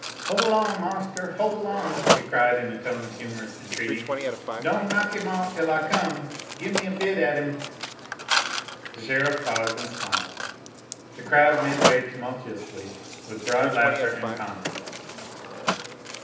"Hole on marster! hole on!" she cried in a tone of humorous entreaty. "Don' knock 'im off till I come! Gim me a bid at 'im!" The sheriff paused and smiled. The crowd made way tumultuously, with broad laughter and comment.